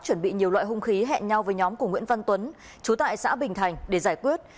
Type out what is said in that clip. chuẩn bị nhiều loại hung khí hẹn nhau với nhóm của nguyễn văn tuấn chú tại xã bình thành để giải quyết